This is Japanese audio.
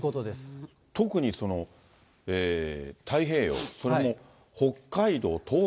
特にその太平洋、それも北海道、東北